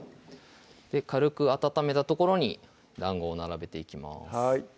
軽く温めたところに団子を並べていきます